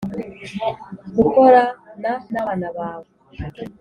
Gukorana n abana bawe